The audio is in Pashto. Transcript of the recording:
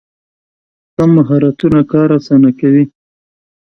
ښه مهارتونه کار اسانه کوي.